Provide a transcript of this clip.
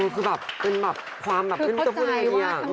คือความเหมือนกับอย่างเดียว